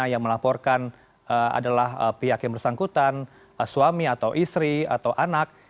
yang melaporkan adalah pihak yang bersangkutan suami atau istri atau anak